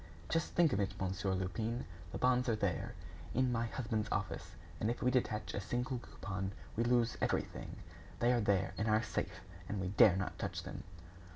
"Just think of it, Monsieur Lupin, the bonds are there, in my husband's office, and if we detach a single coupon, we lose everything! They are there, in our safe, and we dare not touch them."